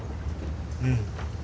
うん。